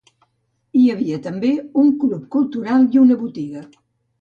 Hi havia també un club cultural i una botiga.